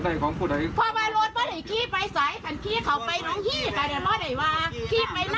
ทางกลับไว้มาเอานายมาก